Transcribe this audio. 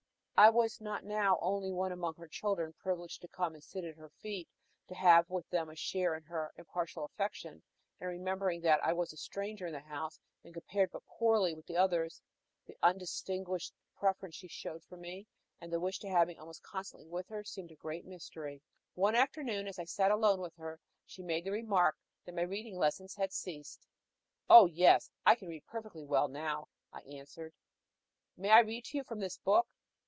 I was not now only one among her children, privileged to come and sit at her feet, to have with them a share in her impartial affection; and remembering that I was a stranger in the house, and compared but poorly with the others, the undisguised preference she showed for me, and the wish to have me almost constantly with her, seemed a great mystery. One afternoon, as I sat alone with her, she made the remark that my reading lessons had ceased. "Oh yes, I can read perfectly well now," I answered. "May I read to you from this book?"